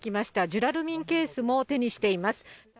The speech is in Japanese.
ジュラルミンケースも手にしています。